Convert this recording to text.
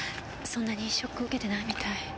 そんなにショック受けてないみたい。